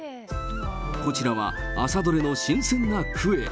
こちらは朝取れの新鮮なクエ。